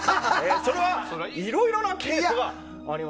それは、いろいろなケースがあります。